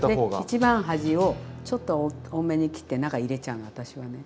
一番端をちょっと多めに切って中入れちゃうの私はね。